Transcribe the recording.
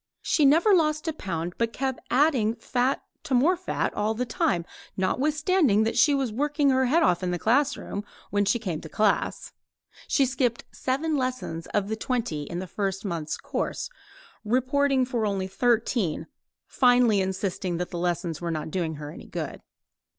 She never lost a pound but kept on adding fat to more fat all the time, notwithstanding that she was working her head off in the classroom when she came to class. She skipped seven lessons of the twenty in the first month's course, reporting for only thirteen, finally insisting that the lessons were not doing her any good.